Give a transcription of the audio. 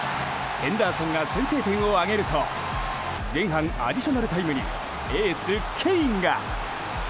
ヘンダーソンが先制点を挙げると前半アディショナルタイムにエース、ケインが。